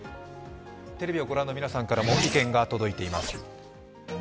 テレビを御覧の皆さんからも意見が届いています。